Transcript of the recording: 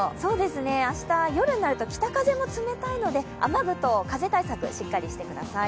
明日、夜になると北風も冷たいので、雨具と風対策、しっかりしてください。